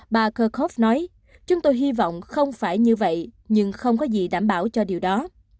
bà kurkhov nói chúng tôi hy vọng không phải như vậy nhưng không có gì đảm bảo cho điều đó